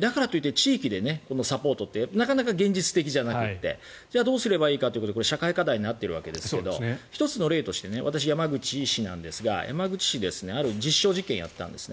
だからといって地域でサポートってなかなか現実的じゃなくてじゃあどうすればいいかって社会課題になってるわけですが１つの例として私、山口市ですが山口市はある実証実験をやったんです。